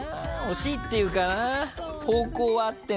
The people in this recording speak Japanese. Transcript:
惜しいっていうか。